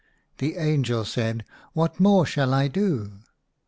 The angel said, "What more shall I do?"